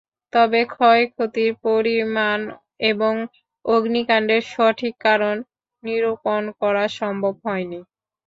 তবে ক্ষয়ক্ষতির পরিমাণ এবং অগ্নিকাণ্ডের সঠিক কারণ নিরুপণ করা সম্ভব হয়নি।